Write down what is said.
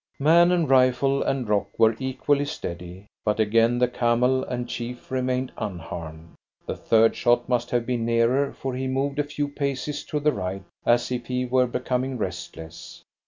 Man and rifle and rock were equally steady, but again the camel and chief remained un harmed. The third shot must have been nearer, for he moved a few paces to the right, as if he were becoming restless.